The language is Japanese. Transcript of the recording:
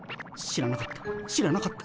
知らなかった。